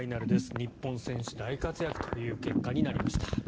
日本選手、大活躍という結果になりました。